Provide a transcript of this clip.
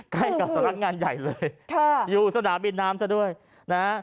ใกล้กับสำนักงานใหญ่เลยค่ะอยู่สนามบินน้ำซะด้วยนะฮะ